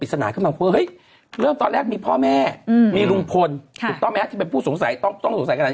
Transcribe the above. สะดิ้ง